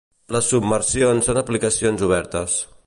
Les submersions són aplicacions obertes.